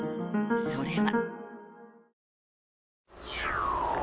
それは。